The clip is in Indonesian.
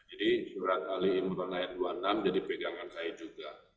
jadi jurat alihim beronayat dua puluh enam jadi pegangan saya juga